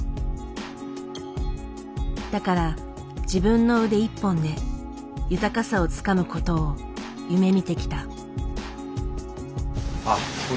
だから自分の腕一本で豊かさをつかむ事を夢みてきた。